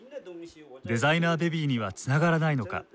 デザイナーベビーにはつながらないのか？